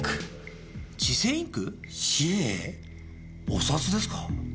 お札ですか？